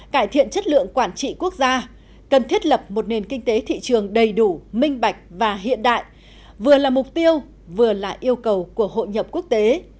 cải thiện chất lượng quản trị quốc gia cần thiết lập một nền kinh tế thị trường đầy đủ minh bạch và hiện đại vừa là mục tiêu vừa là yêu cầu của hội nhập quốc tế